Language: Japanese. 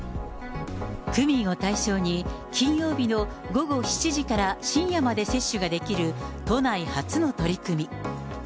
区民を対象に、金曜日の午後７時から深夜まで接種ができる都内初の取り組み。